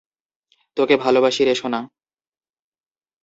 তোকে ভালোবাসি রে, সোনা।